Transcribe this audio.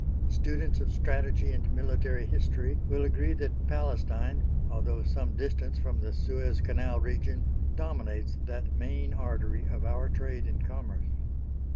Students of strategy and military history will agree that Palestine, although some distance from the Suez Canal region, dominates that main artery of our trade and commerce.